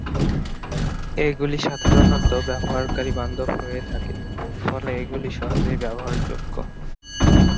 এগুলি সাধারণত ব্যবহারকারী-বান্ধব হয়ে থাকে, ফলে এগুলি সহজেই ব্যবহারযোগ্য।